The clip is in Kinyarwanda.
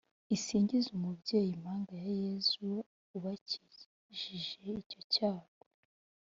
isingize umubyeyi impanga ya Yezu ubakijije icyo cyago